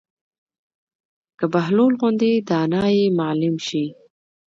که بهلول غوندې دانا ئې معلم شي